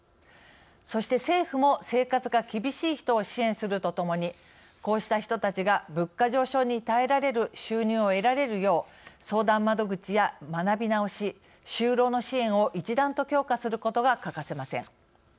そして政府も生活が厳しい人を支援するとともにこうした人たちが物価上昇に耐えられる収入を得られるよう相談窓口や学び直し就労の支援を一段と強化することが欠かせません。